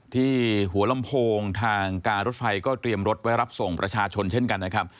ที่หัวลำโพงทางการรถไฟก็เตรียมรถไว้รับส่งประชาชนเช่นกันนะครับ